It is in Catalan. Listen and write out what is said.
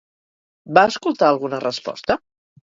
Va escoltar alguna resposta?